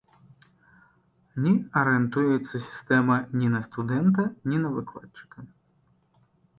Не арыентуецца сістэма ні на студэнта, ні на выкладчыка.